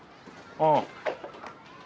ああ。